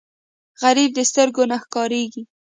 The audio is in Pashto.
غریب د سترګو نه ښکارېږي